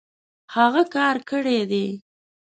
هغۀ کار کړی دی